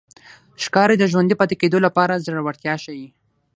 ښکاري د ژوندي پاتې کېدو لپاره زړورتیا ښيي.